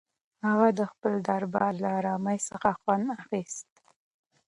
هغه د خپل دربار له ارامۍ څخه خوند اخیست.